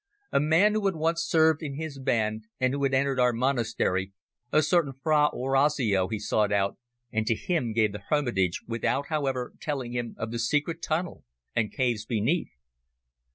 A man who had once served in his band and who had entered our monastery, a certain Fra Orazio, he sought out, and to him gave the hermitage, without, however, telling him of the secret tunnel and caves beneath.